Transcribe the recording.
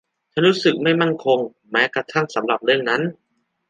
ฉันรู้สึกไม่มั่นคงแม้กระทั่งสำหรับเรื่องนั้น